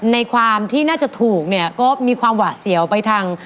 ในความที่น่าจะถูกเนี่ยก็มีความหวาดเสียวไปทาง